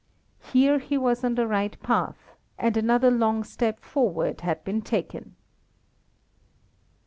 Here he was on the right path, and another long step forward had been taken.